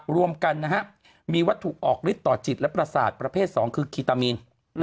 รวมกันมีวัตถุออกฤทธิต่อจิตและประสาทประเภท๒คือคีตามีน